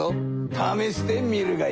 ためしてみるがよい。